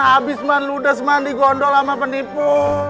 abis man lu udah semangat di gondol sama penipu